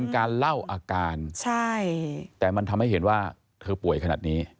การเล่าอาการแต่มันทำให้เห็นว่าเธอป่วยขนาดนี้